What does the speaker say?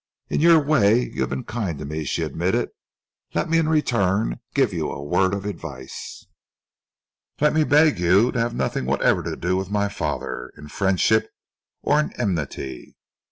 "In your way you have been kind to me," she admitted. "Let me in return give you a word of advice. Let me beg you to have nothing whatever to do with my father, in friendship or in enmity.